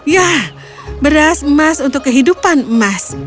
ya beras emas untuk kehidupan emas